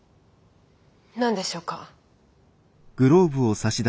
何でしょうか？